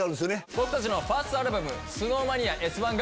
僕たちのファーストアルバム『ＳｎｏｗＭａｎｉａＳ１』が。